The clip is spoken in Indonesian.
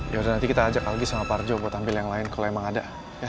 yaudah nanti kita ajak algi sama parjo buat tampil yang lain kalo emang ada